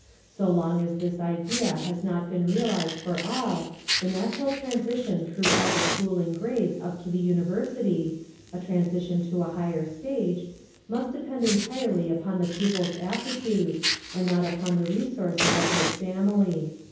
So long as this idea has not been realised for all, the natural transition through all the schooling grades up to the university—a transition to a higher stage—must depend entirely upon the pupil's aptitude, and not upon the resources of his family.